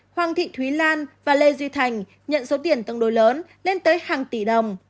hoàng thị thúy lan và lê duy thành nhận số tiền tương đối lớn lên tới hàng tỷ đồng